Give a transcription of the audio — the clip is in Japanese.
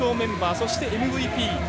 そして、ＭＶＰ。